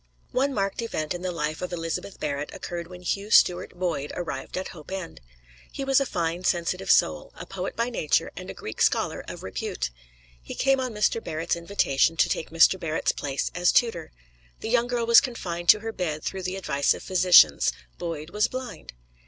One marked event in the life of Elizabeth Barrett occurred when Hugh Stuart Boyd arrived at Hope End. He was a fine, sensitive, soul a poet by nature and a Greek scholar of repute. He came on Mr. Barrett's invitation to take Mr. Barrett's place as tutor. The young girl was confined to her bed through the advice of physicians; Boyd was blind.